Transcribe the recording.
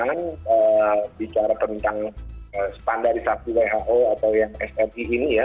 jangan bicara tentang standarisasi who atau yang smi ini ya